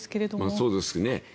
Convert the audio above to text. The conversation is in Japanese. そうですね。